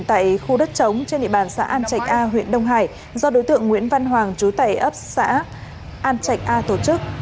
tại khu đất trống trên địa bàn xã an trạch a huyện đông hải do đối tượng nguyễn văn hoàng trú tại ấp xã an trạch a tổ chức